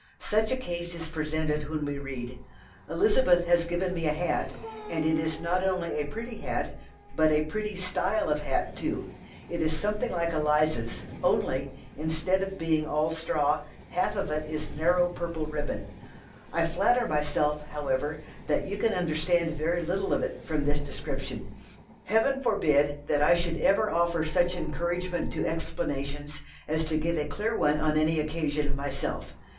Such a case is presented when we read: "Elizabeth has given me a hat, and it is not only a pretty hat, but a pretty style of hat too. It is something like Eliza's, only, instead of being all straw, half of it is narrow purple ribbon. I flatter myself, however, that you can understand very little of it from this description. Heaven forbid that I should ever offer such encouragement to explanations as to give a clear one on any occasion myself!